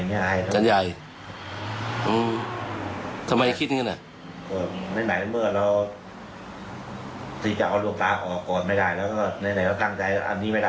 ก็ในไหนเราตั้งใจอันนี้ไม่ได้แล้วใช่ไหม